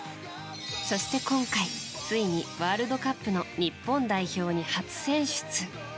そして今回、ついにワールドカップの日本代表に初選出。